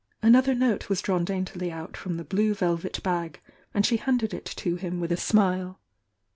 Another note was drawn daintily out from the blue velvet bag, and she handed it to him with a smile.